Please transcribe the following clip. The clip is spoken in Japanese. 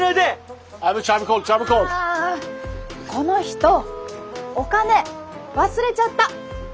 あこの人お金忘れちゃった！